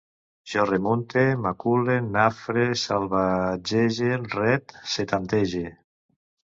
Jo remunte, macule, nafre, salvatgege, ret, setantege